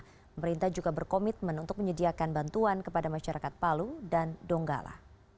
pemerintah juga berkomitmen untuk menyediakan bantuan kepada masyarakat palu dan donggala